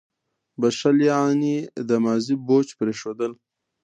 • بښل یعنې د ماضي بوج پرېښودل.